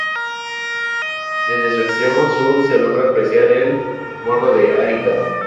Desde su extremo sur se logra apreciar el Morro de Arica.